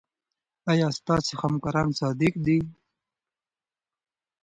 ایا ستاسو همکاران صادق دي؟